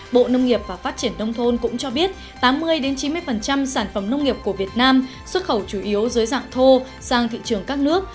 bộ nông nghiệp và phát triển nông thôn cũng cho biết tám mươi chín mươi sản phẩm nông nghiệp của việt nam xuất khẩu chủ yếu dưới dạng thô sang thị trường các nước